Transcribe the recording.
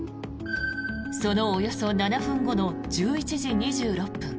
そのおよそ７分後の１１時２６分。